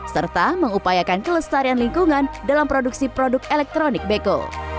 serta mengupayakan kelestarian lingkungan dalam produksi produk elektronik beko